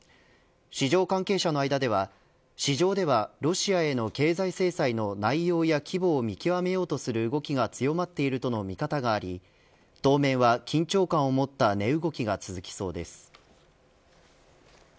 市場関係者の間では市場ではロシアへの経済制裁の内容や規模を見極めようとする動きが強まっているとの見方があり当面は緊張感を持った値動きが続きそうです。